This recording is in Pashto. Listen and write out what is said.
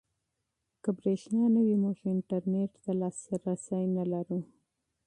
که برېښنا نه وي موږ انټرنيټ ته لاسرسی نلرو.